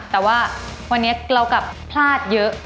แต่ว่าวันนี้เรากลับพลาดเยอะ